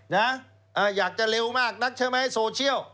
นะอยากจะเร็วมากนักใช่ไหมโซเชียล